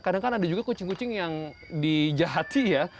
kadang kan ada juga kucing kucing yang dijahati ya